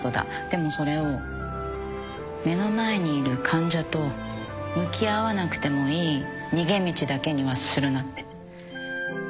でもそれを目の前にいる患者と向き合わなくてもいい逃げ道だけにはするなって。